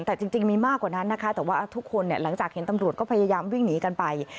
แต่จริงมีมากกว่านั้นนะคะแต่ว่าทุกคนหลังจากเห็นตำรวจก็พยายามวิ่งหนีกันไป